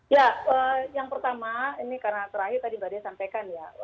ya yang pertama ini karena terakhir tadi mbak dea sampaikan ya